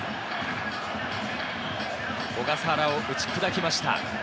小笠原を打ち砕きました。